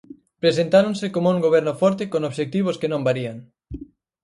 Presentáronse coma un goberno forte con obxectivos que non varían.